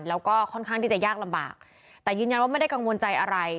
แล้วก็ค่อนข้างที่จะยากลำบากแต่ยืนยันว่าไม่ได้กังวลใจอะไร